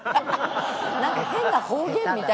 なんか変な方言みたい。